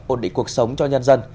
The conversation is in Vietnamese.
ổn định cuộc sống cho nhân dân